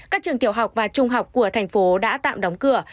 các trường tiểu học và trung học của thành phố đã tạm đóng cửa